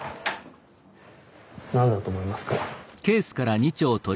何だと思いますか？